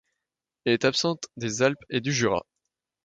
Elle est absente des Alpes et du Jura.